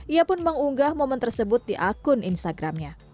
ia pun mengunggah momen tersebut di akun instagramnya